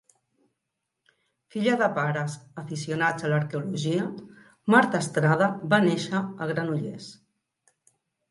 Filla de pares aficionats a l'arqueologia, Marta Estrada va néixer a Granollers.